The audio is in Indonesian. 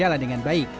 dan berjalan dengan baik